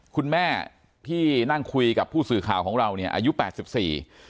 คุณแม่ที่นั่งคุยกับผู้สื่อข่าวของเราเนี่ยอายุแปดสิบสี่